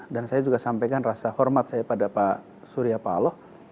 dan saya juga sampaikan rasa hormat saya pada pak surya paloh